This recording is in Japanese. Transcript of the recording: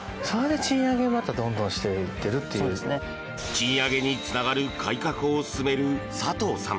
賃上げにつながる改革を進める佐藤さん。